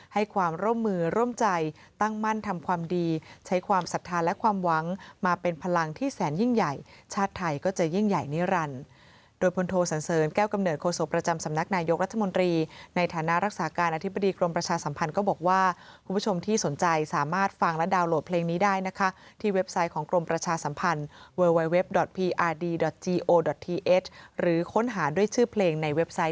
ให้ความร่มมือร่มใจตั้งมั่นทำความดีใช้ความศรัทธาและความหวังมาเป็นพลังที่แสนยิ่งใหญ่ชาติไทยก็จะยิ่งใหญ่นิรันดร์โดยพนโทสันเสริญแก้วกำเนิดโคโสประจำสำนักนายกรัฐมนตรีในฐานะรักษาการอธิบดีกรมประชาสัมพันธ์ก็บอกว่าคุณผู้ชมที่สนใจสามารถฟังและดาวน์โหลดเพลงน